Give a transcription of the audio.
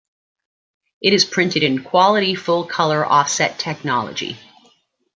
It is printed in quality full colour offset technology.